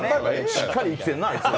しっかり生きてんな、あいつ。